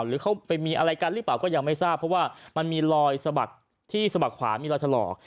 หรือเขาไปมีอะไรกันหรือเปล่าก็ยังไม่ทราบเพราะว่ามันมีรอยสะบักที่สะบักขวามีรอยถลอก